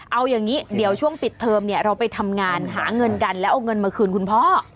เอาอย่างนี้เดี๋ยวช่วงปิดเทอมเนี่ยเราไปทำงานหาเงินกันแล้วเอาเงินมาคืนคุณพ่อ